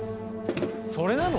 それなの？